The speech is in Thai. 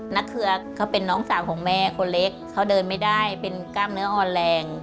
เครือเขาเป็นน้องสาวของแม่คนเล็กเขาเดินไม่ได้เป็นกล้ามเนื้ออ่อนแรง